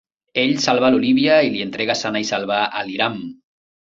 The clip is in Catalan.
Ell salva l'Olivia i li entrega sana i salva al Hiram.